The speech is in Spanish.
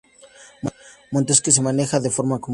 Montes que se manejan de forma comunal